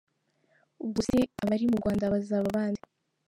Ubwo se abari mu Rwanda bazaba abande ?